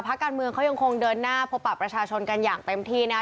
พักการเมืองเขายังคงเดินหน้าพบปะประชาชนกันอย่างเต็มที่นะคะ